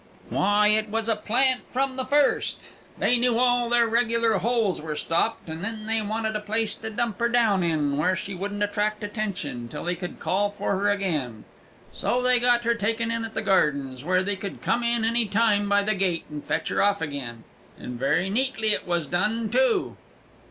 "Why, it was a plant from the first. They knew all their regular holes were stopped, and they wanted a place to dump her down in, where she wouldn't attract attention, till they could call for her again; so they got her taken in at the gardens, where they could come in any time by the gate and fetch her off again and very neatly it was done, too!"